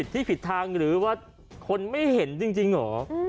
ที่ผิดทางหรือว่าคนไม่เห็นจริงเหรอ